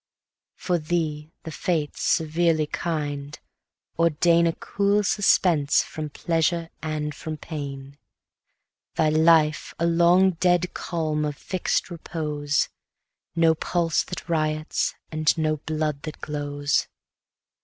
For thee the Fates, severely kind, ordain A cool suspense from pleasure and from pain; 250 Thy life a long dead calm of fix'd repose; No pulse that riots, and no blood that glows.